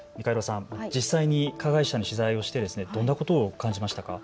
実際に加害者の取材をしてどんなことを感じましたか。